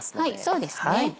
そうですね。